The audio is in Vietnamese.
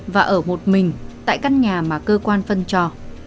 và ở một mình tại căn nhà mà cơ quan phân cho